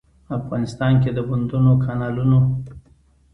افغانستان کې د بندونو، کانالونو.